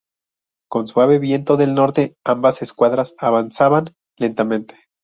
Con suave viento del norte, ambas escuadras avanzaban lentamente.